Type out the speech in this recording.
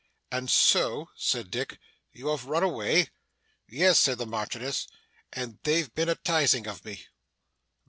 'And so,' said Dick, 'you have run away?' 'Yes,' said the Marchioness, 'and they've been a tizing of me.